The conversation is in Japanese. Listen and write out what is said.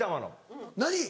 何？